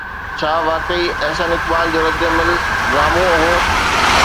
ڇا واقعي احسن اقبال جو ردعمل ڊرامو هو؟